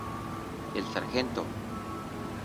El sargento.